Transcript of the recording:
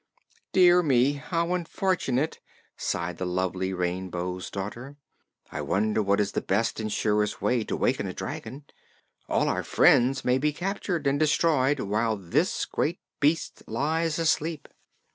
"Dear me, how unfortunate!" sighed the lovely Rainbow's Daughter. "I wonder what is the best and surest way to waken a dragon. All our friends may be captured and destroyed while this great beast lies asleep."